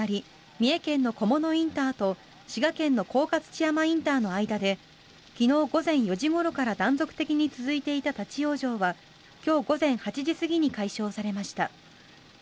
三重県の菰野ＩＣと滋賀県の甲賀土山ＩＣの間で昨日午前４時ごろから断続的に続いていた立ち往生は今日午前８時過ぎに解消されました。